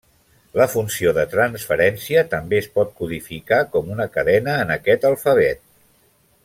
La funció de transferència també es pot codificar com una cadena en aquest alfabet.